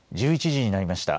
１１時になりました。